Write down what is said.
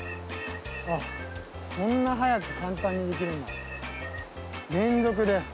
あそんな早く簡単にできるんだ連続で。